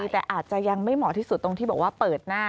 แต่อาจจะยังไม่เหมาะที่สุดตรงที่บอกว่าเปิดหน้า